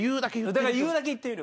だから言うだけ言ってみる。